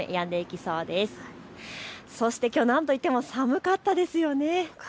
そしてきょうはなんといっても寒かったですよね。